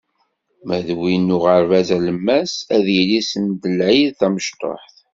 Ma d win n uɣerbaz alemmas, ad d-yili send lɛid tamecṭuḥt.